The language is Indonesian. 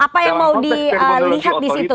apa yang mau dilihat disitu